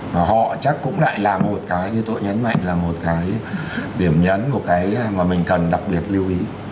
và họ chắc cũng lại là một cái như tôi nhấn mạnh là một cái điểm nhấn một cái mà mình cần đặc biệt lưu ý